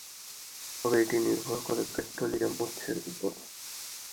তবে এটি নির্ভর করে পেট্রোলিয়াম উৎসের উপর।